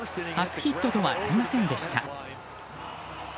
初ヒットとはなりませんでした。